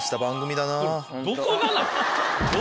どこがなん⁉